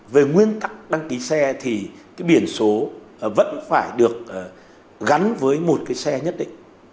về nguyên tắc đăng ký xe thì cái biển số vẫn phải được gắn với một cái xe nhất định